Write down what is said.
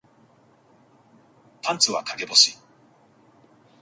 パンツは陰干し